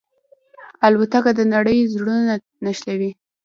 الوتکه د نړۍ زړونه نښلوي.